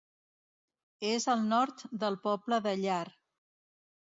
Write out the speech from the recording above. És al nord del poble de Llar.